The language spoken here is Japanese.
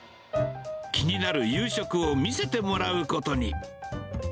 気になる夕食を見せてもらうことに。